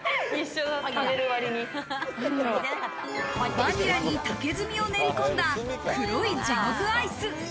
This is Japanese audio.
バニラに竹炭を練りこんだ黒い地獄アイス。